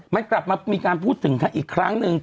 มันกลับมามีการพูดถึงอีกครั้งหนึ่ง